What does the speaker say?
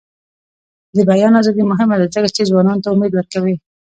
د بیان ازادي مهمه ده ځکه چې ځوانانو ته امید ورکوي.